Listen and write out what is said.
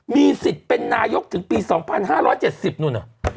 มีสิทธิ์เป็นนายกถึงปีสองพันห้าร้อยเจ็ดสิบนู่นน่ะ